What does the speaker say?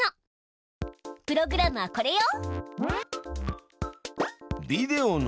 プログラムはこれよ。